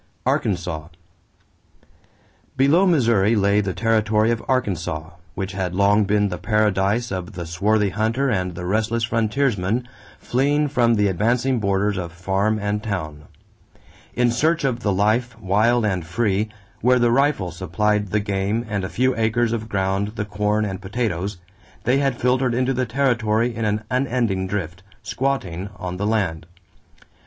=Arkansas.= Below Missouri lay the territory of Arkansas, which had long been the paradise of the swarthy hunter and the restless frontiersman fleeing from the advancing borders of farm and town. In search of the life, wild and free, where the rifle supplied the game and a few acres of ground the corn and potatoes, they had filtered into the territory in an unending drift, "squatting" on the land.